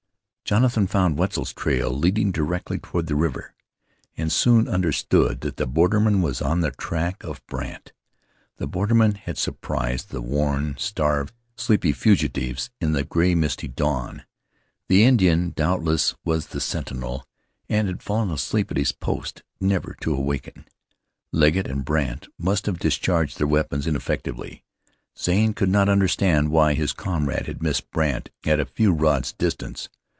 Jonathan found Wetzel's trail leading directly toward the river, and soon understood that the borderman was on the track of Brandt. The borderman had surprised the worn, starved, sleepy fugitives in the gray, misty dawn. The Indian, doubtless, was the sentinel, and had fallen asleep at his post never to awaken. Legget and Brandt must have discharged their weapons ineffectually. Zane could not understand why his comrade had missed Brandt at a few rods' distance.